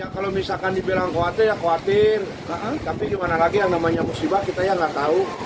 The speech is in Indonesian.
kalau misalkan dibilang khawatir ya khawatir tapi gimana lagi yang namanya musibah kita ya nggak tahu